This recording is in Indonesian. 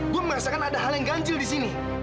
gue merasakan ada hal yang ganjil di sini